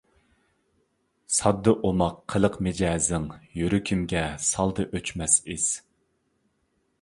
ساددا، ئوماق قىلىق، مىجەزىڭ، يۈرىكىمگە سالدى ئۆچمەس ئىز.